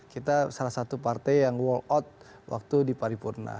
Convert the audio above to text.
kita salah satu partai yang wall out waktu di paripurna